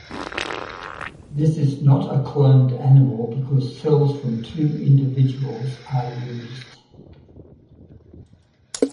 This is not a cloned animal because cells from two individuals are used.